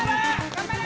頑張れ！